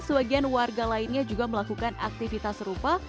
sebagian warga lainnya juga melakukan aktivitas serupa